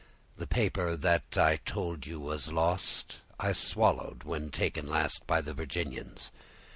The paper that I told you was lost I swallowed when taken last by the Virginians.